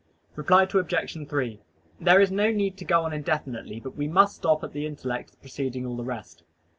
Reply Obj. 3: There is no need to go on indefinitely, but we must stop at the intellect as preceding all the rest.